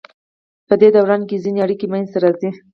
پدې دوران کې ځینې اړیکې منځ ته راځي.